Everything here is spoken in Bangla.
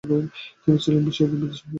তিনি ছিলেন বিদেশ বিষয়ক মন্ত্রী।